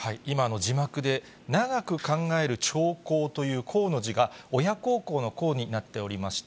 今の字幕で長く考える長考という考の字が、親孝行のこうになっておりました。